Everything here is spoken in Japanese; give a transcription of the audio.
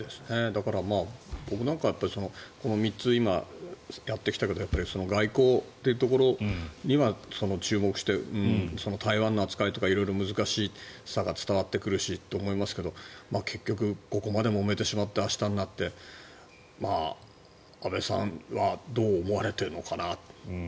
だから、僕なんかはこの３つ、やってきたけれど外交ってところには注目して台湾の扱いとか色々難しさが伝わってくると思いますが結局、ここまでもめてしまって明日になって安倍さんはどう思われているのかな。